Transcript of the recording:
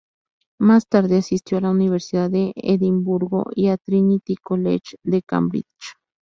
Más tarde asistió a la Universidad de Edimburgo y a Trinity College de Cambridge.